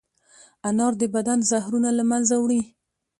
انار د بدن زهرونه له منځه وړي.